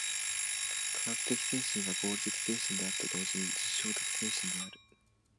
科学的精神は合理的精神であると同時に実証的精神である。